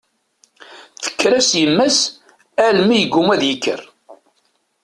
Tekker-as yemma-s almi yeggumma ad ikker.